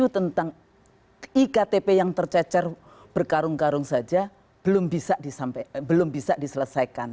tentang iktp yang tercecer berkarung karung saja belum bisa diselesaikan